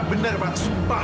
benar pak sumpah